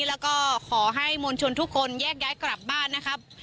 แล้วก็ขอให้มวลชนทุกคนแยกย้ายกลับบ้านนะครับ